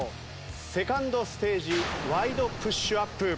セカンドステージワイドプッシュアップ。